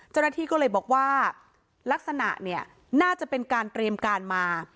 เจ้าหน้าที่ก็เลยบอกว่าลักษณะเนี่ยน่าจะเป็นการเตรียมการมา